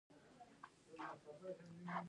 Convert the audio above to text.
د افغانستان په منظره کې یاقوت ښکاره ده.